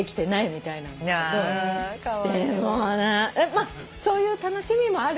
まあそういう楽しみもあるので。